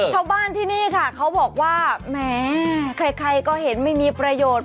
ชาวบ้านที่นี่ค่ะเขาบอกว่าแหมใครก็เห็นไม่มีประโยชน์